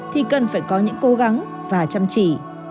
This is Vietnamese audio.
thì cần phải có những cố gắng và chăm chỉ